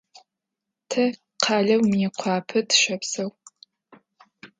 Тэ къалэу Мыекъуапэ тыщэпсэу.